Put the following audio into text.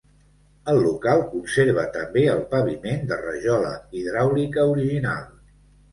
El local conserva també el paviment de rajola hidràulica original.